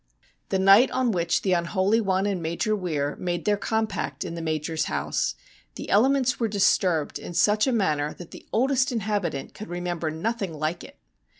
The night on which the Unholy One and Major Weir made their compact in the Major's house the elements were dis turbed in such a manner that the oldest inhabitant could remember nothing like it.